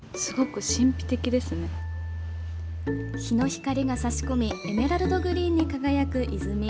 日の光が差し込みエメラルドグリーンに輝く泉。